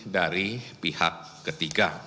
dari pihak ketiga